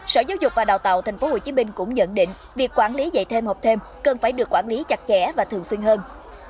sở giáo dục và đào tạo tp hcm cũng nhận định việc quản lý dạy thêm học thêm cần phải được quản lý chặt chẽ và thường xuyên hơn